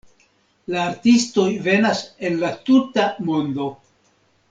La artistoj venas el la tuta mondo.